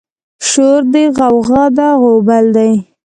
شور دی غوغه ده غوبل دی